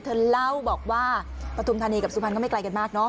เธอเล่าบอกว่าปฐุมธานีกับสุพรรณก็ไม่ไกลกันมากเนาะ